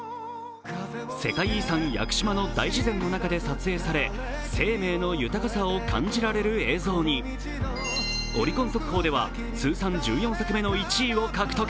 世界遺産、屋久島の大自然の中で撮影され、生命の豊かさを感じられる映像にオリコン速報では通算１４作目の１位を獲得。